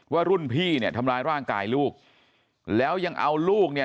ว่ารุ่นพี่เนี่ยทำร้ายร่างกายลูกแล้วยังเอาลูกเนี่ย